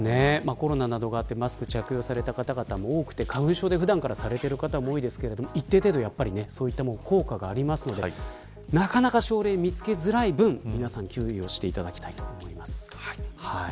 コロナなどがあってマスクを着用された方も多くて花粉症で普段からされてる方も多いですが一定程度そういったものは効果があるのでなかなか症例を見つけづらい分皆さん、注意をしていただきたいと思います。